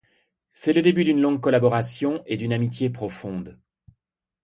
C'est le début d'une longue collaboration et d'une amitié profonde.